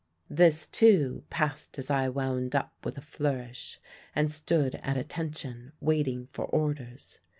"This, too, passed as I wound up with a flourish and stood at attention, waiting for orders.